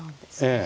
ええ。